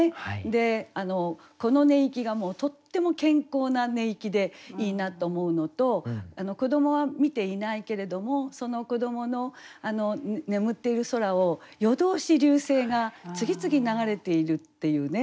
で「子の寝息」がとっても健康な寝息でいいなと思うのと子どもは見ていないけれどもその子どもの眠っている空を夜通し流星が次々流れているっていうね。